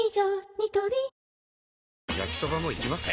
ニトリ焼きソバもいきます？